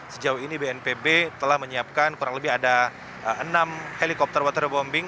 sejauh ini bnpb telah menyiapkan kurang lebih ada enam helikopter waterbombing